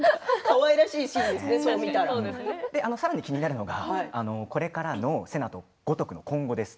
さらに気になるのがこれからの瀬名と五徳の今後です。